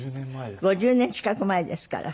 ５０年近く前ですから。